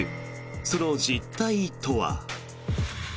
その実態とは。